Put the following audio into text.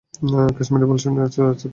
কাশ্মীরী বুননশৈলি আছে এতে।